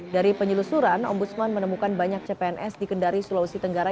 dari penyelusuran ombudsman menemukan banyak cpns di kendari sulawesi tenggara